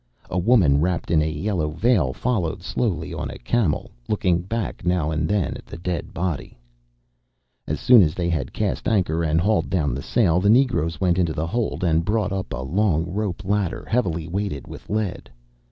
A woman wrapped in a yellow veil followed slowly on a camel, looking back now and then at the dead body. As soon as they had cast anchor and hauled down the sail, the negroes went into the hold and brought up a long rope ladder, heavily weighted with lead.